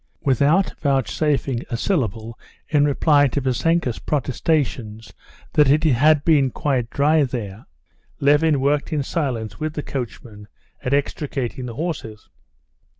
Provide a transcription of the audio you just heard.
Without vouchsafing a syllable in reply to Vassenka's protestations that it had been quite dry there, Levin worked in silence with the coachman at extricating the horses.